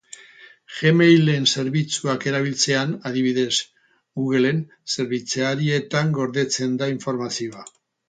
Gmail-en zerbitzuak erabiltzean, adibidez, Google-en zerbitzarietan gordetzen da informazioa.